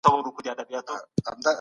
زکات د هر مسلمان شرعي مسئولیت دی.